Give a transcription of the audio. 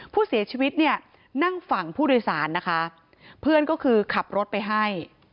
ผู้เสียชีวิตเนี่ยนั่งฝั่งผู้โดยสารนะคะเพื่อนก็คือขับรถไปให้